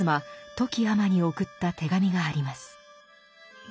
富木尼に送った手紙があります。